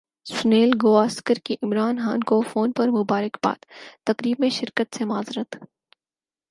سنیل گواسکر کی عمران خان کو فون پر مبارکبادتقریب میں شرکت سے معذرت